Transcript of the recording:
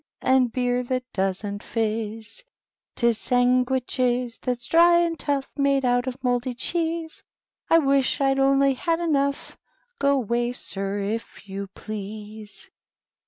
And beer that doesnH fizz, 'Tis sangvridges thafs dry and tough, Made out of mouldy cheese, —/ wisht I only had enough, — 00 'way, sir, if you please!